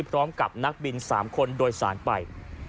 พร้อมกับนักบิน๓คนโดยสารไป